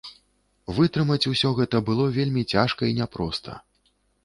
Вытрымаць усё гэта было вельмі цяжка і няпроста.